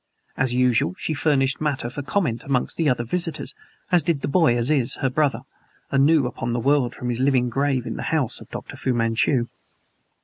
As usual, she furnished matter for comment amongst the other visitors, as did the boy, Aziz, her brother, anew upon the world from his living grave in the house of Dr. Fu Manchu.